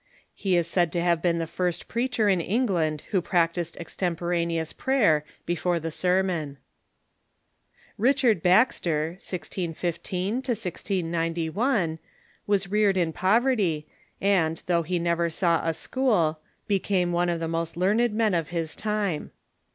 He is said to have been the first preacher in England Avho practised extemporaneous prayer before the sermon. Richard Baxter (1615 1691) was reared in poverty, and, though he never saw a school, became one of the most learned men of his time.